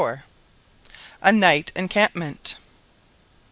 A NIGHT ENCAMPMENT.